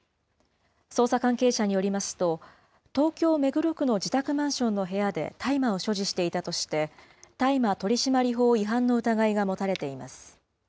捜査関係者によりますと、東京・目黒区の自宅マンションの部屋で大麻を所持していたとして、大麻取締法違反の疑いが持たれています。